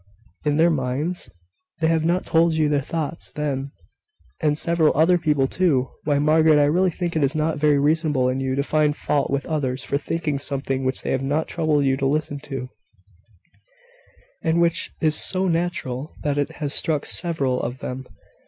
"In their minds? They have not told you their thoughts, then. And several other people, too! Why, Margaret, I really think it is not very reasonable in you to find fault with others for thinking something which they have not troubled you to listen to, and which is so natural, that it has struck `several' of them.